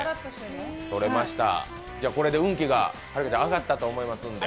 撮れました、これで運気が上がったと思いますので。